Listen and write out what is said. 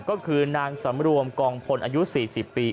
ก็คือนางสำรวมกองพลอายุ๔๐ปี